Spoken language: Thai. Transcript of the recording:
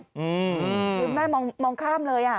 คือแม่มองข้ามเลย